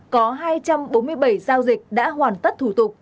có hai trăm bốn mươi bảy giao dịch đã hoàn tất thủ tục